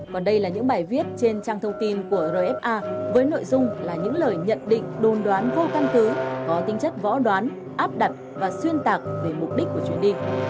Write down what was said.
còn đây là những bài viết trên trang thông tin của rfa với nội dung là những lời nhận định đồn đoán vô căn cứ có tính chất võ đoán áp đặt và xuyên tạc về mục đích của chuyến đi